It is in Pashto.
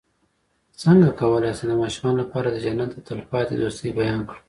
څنګه کولی شم د ماشومانو لپاره د جنت د تل پاتې دوستۍ بیان کړم